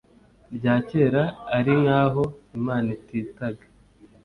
rya kera, ari nk'aho imana ititaga